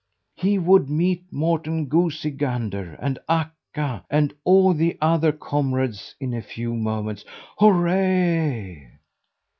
He would meet Morten Goosey Gander and Akka and all the other comrades in a few moments. Hurrah!